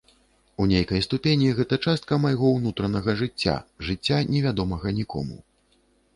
У нейкай ступені, гэта частка майго ўнутранага жыцця, жыцця невядомага нікому.